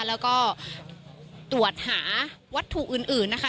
แล้วก็ตรวจหาวัตถุอื่นนะคะ